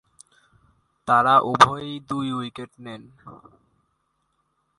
তারা উভয়েই দুই উইকেট নেন।